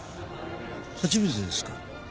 初めてですか？